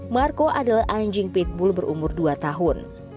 marco adalah anjing pitbull berumur dua tahun